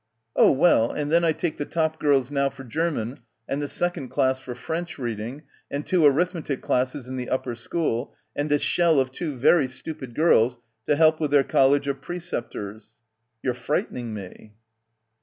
"Oh well, and then I take die top girls now for German and the second class for French reading, and two arithmetic classes in the upper school, and a 'shell' of two very stupid girls to help with their College of Preceptors. 3 "You're frightening me.